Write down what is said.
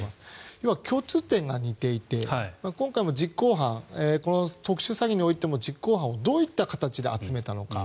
要は共通点が似ていて今回も実行犯この特殊詐欺においても実行犯をどういった形で集めたのか。